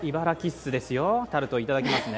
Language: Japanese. タルト、いただきますね。